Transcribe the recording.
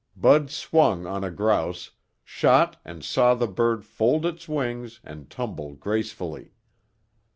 Bud swung on a grouse, shot and saw the bird fold its wings and tumble gracefully.